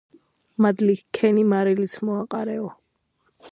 მადლი ჰქენი მარილიც მოაყარეო